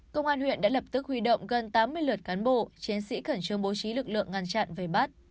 công an huyện đã lập tức huy động gần tám mươi lượt cán bộ chiến sĩ khẩn trương bố trí lực lượng ngăn chặn về bắt